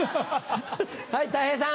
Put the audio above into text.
はいたい平さん。